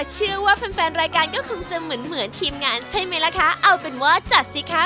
เชื่อว่าแฟนแฟนรายการก็คงจะเหมือนเหมือนทีมงานใช่ไหมล่ะคะเอาเป็นว่าจัดสิคะ